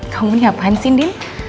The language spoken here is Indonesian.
kamu nih apain sih ndin